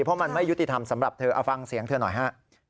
เพราะมันไม่ยุติธรรมสำหรับเธอเอาฟังเสียงเธอหน่อยฮะ